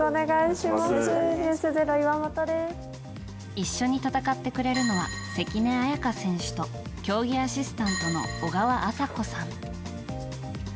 一緒に戦ってくれるのは関根彩香選手と競技アシスタントの小川麻子さん。